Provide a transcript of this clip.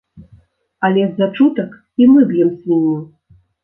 Але з-за чутак і мы б'ем свінню.